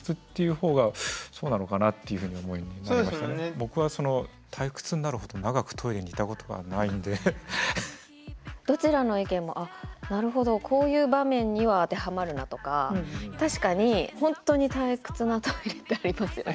僕は今までの話を聞いてると僕はどちらの意見も「あっなるほどこういう場面には当てはまるな」とか確かに本当に退屈なトイレってありますよね。